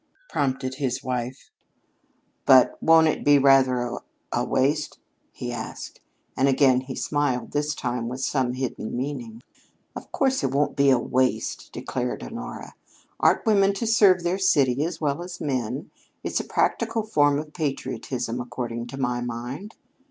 prompted his wife. "But won't it be rather a a waste?" he asked. And again he smiled, this time with some hidden meaning. "Of course it won't be a waste," declared Honora. "Aren't women to serve their city as well as men? It's a practical form of patriotism, according to my mind."